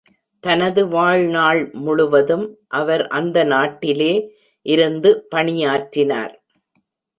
தனது வாழ்நாள் முழுவதும் அவர் அந்த நாட்டிலே இருந்து பணியாற்றினார்.